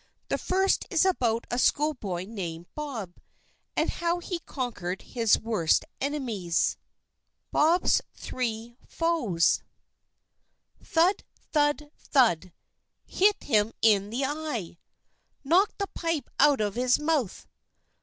The first is about a school boy named Bob, and how he conquered his worst enemies." Bob's Three Foes Thud! thud! thud! "Hit him in the eye!" "Knock the pipe out of his mouth!"